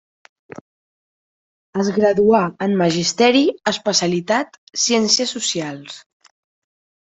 Es graduà en Magisteri, especialitat ciències socials.